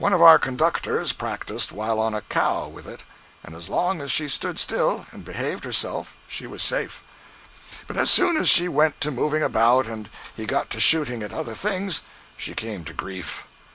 One of our "conductors" practiced awhile on a cow with it, and as long as she stood still and behaved herself she was safe; but as soon as she went to moving about, and he got to shooting at other things, she came to grief.